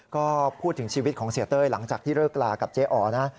ก็พูดถึงชีวิตของเสียเต้ยหลังจากที่เลิกลากับเจ๊อ๋อนะ